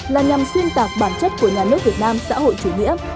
là nhằm xuyên tạc bản chất của nhà nước việt nam xã hội chủ nghĩa